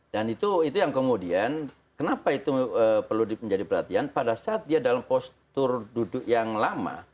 dan itu yang kemudian kenapa itu perlu menjadi perhatian pada saat dia dalam postur duduk yang lama